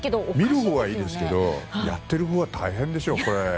見るほうはいいですけどやってるほうは大変でしょう。